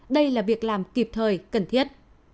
đây là việc làm kịp thời cần thiết